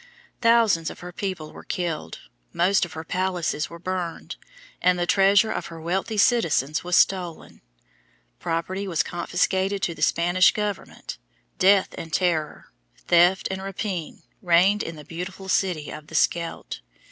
Thousands of her people were killed, most of her palaces were burned, and the treasure of her wealthy citizens was stolen. Property was confiscated to the Spanish Government. Death and terror, theft and rapine reigned in the beautiful city of the Scheldt.